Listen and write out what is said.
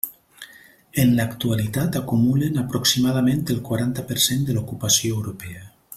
En l'actualitat acumulen aproximadament el quaranta per cent de l'ocupació europea.